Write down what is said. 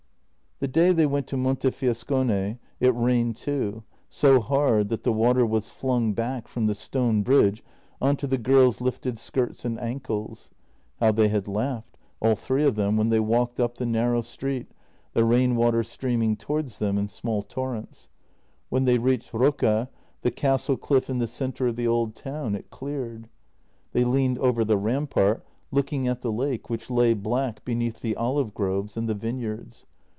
The day they went to Montefiascone it rained too, so hard that the water was flung back from the stone bridge on to the girls' lifted skirts and ankles. How* they had laughed, all three of them, when they walked up the narrow street, the rain water streaming towards them in small torrents. When they reached JENNY 303 Rocca, the castle cliff in the centre of the old town, it cleared. They leaned over the rampart, looking at the lake, which lay black beneath the olive groves and the vineyards.